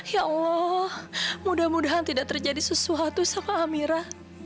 ya allah mudah mudahan tidak terjadi sesuatu sama amira